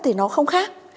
thì nó không khác